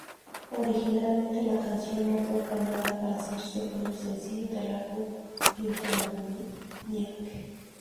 Originalmente la canción no fue planeada para ser el segundo sencillo del álbum "Insomniac".